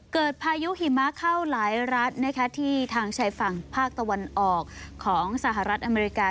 พายุหิมะเข้าหลายรัฐที่ทางชายฝั่งภาคตะวันออกของสหรัฐอเมริกา